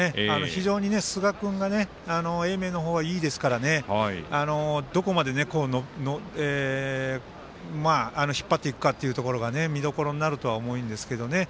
非常に寿賀君が英明の方はいいですからね、どこまで引っ張っていくかというところが見どころになるとは思うんですけどね。